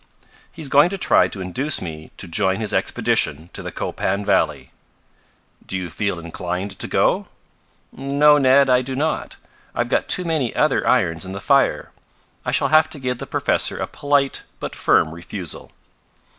"He's going to try to induce me to join his expedition to the Copan valley." "Do you feel inclined to go?" "No, Ned, I do not. I've got too many other irons in the fire. I shall have to give the professor a polite but firm refusal."